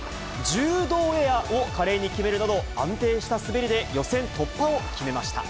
ジュードーエアーを華麗に決めるなど、安定した滑りで予選突破を決めました。